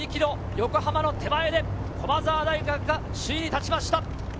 横浜の手前で駒澤大学が首位に立ちました。